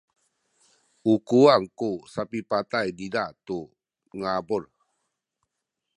u kuwang ku sapipatay niza tu ngabul.